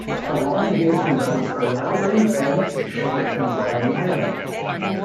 Along the internodes are leathery, dense, short and spiny hairs.